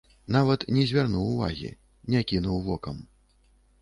Нават не звярнуў увагі, не кінуў вокам.